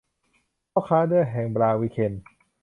พ่อค้าเนื้อแห่งบลาวิเคน